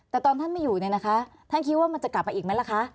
แต่ตอนท่านไม่อยู่เนี่ยนะคะท่านคิดว่ามันจะกลับมาอีกไหมล่ะคะ